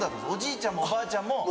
おじいちゃんもおばあちゃんも。